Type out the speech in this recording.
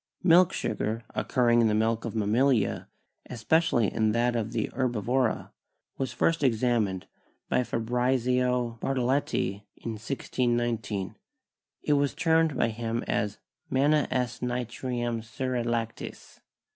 Milk sugar, occurring in the milk of mammalia, espe cially in that of the herbivora, was first examined by Fabrizio Bartoletti in 1619; it was termed by him "manna s. nitrum seri lactis."